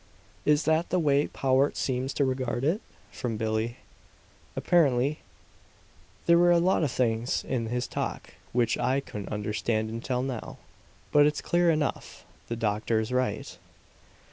"Is that the way Powart seems to regard it?" from Billie. "Apparently. There were a lot of things in his talk which I couldn't understand until now; but it's clear enough the doctor's right."